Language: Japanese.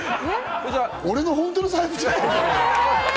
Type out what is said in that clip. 俺の本当の財布じゃないか！